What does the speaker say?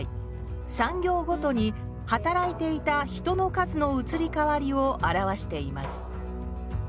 産業ごとに働いていた人の数の移り変わりを表しています。